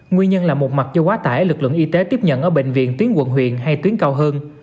nguyên nhân là một mặt cho quá tải lực lượng y tế tiếp nhận ở bệnh viện tuyến quận huyện hay tuyến cao hơn